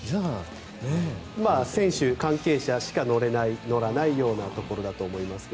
選手、関係者しか乗らない乗れないというところだと思いますが。